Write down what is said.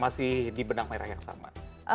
masih di benang merah yang sama